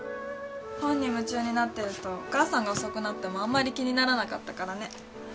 本に夢中になってるとお母さんが遅くなってもあんまり気にならなかったからね。